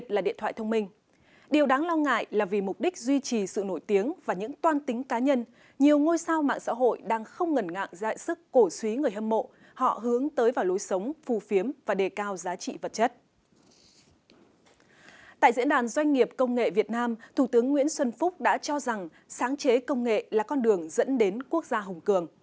tại diễn đàn doanh nghiệp công nghệ việt nam thủ tướng nguyễn xuân phúc đã cho rằng sáng chế công nghệ là con đường dẫn đến quốc gia hùng cường